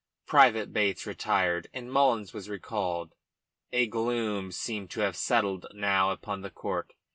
Private Bates retired, and Mullins was recalled. A gloom seemed to have settled now upon the court.